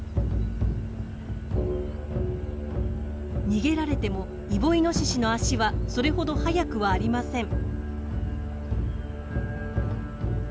逃げられてもイボイノシシの足はそれほど速くはありません。